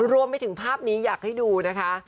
รวมไปถึงภาพนี้อยากให้ดูนะคะ